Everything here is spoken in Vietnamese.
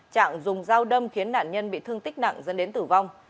trạng dùng dao đâm khiến nạn nhân bị thương tích nặng dẫn đến tử vong